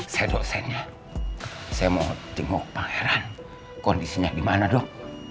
saya dosennya saya mau tengok pangeran kondisinya gimana dok